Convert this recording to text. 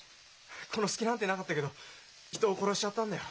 殺す気なんてなかったけど人を殺しちゃったんだよ。